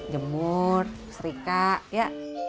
gemur serika ya